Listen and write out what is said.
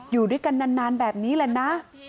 อยู่ด้วยกันนานแบบนี้แหละนะ